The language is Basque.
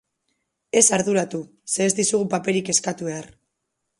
Ez arduratu, ze ez dizugu paperik eskatu behar.